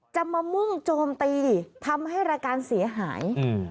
จะมามุ่งโจมตีทำให้รายการเสียหาย